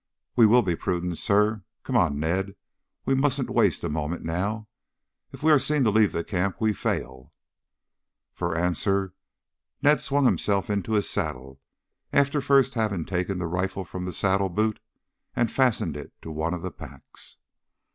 "We will be prudent, sir. Come on, Ned; we mustn't waste a moment now. If we are seen to leave the camp we'll fail." For answer Ned swung himself into his saddle, after first having taken the rifle from the saddle boot and fastened it to one of the packs.